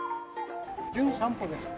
『じゅん散歩』ですか？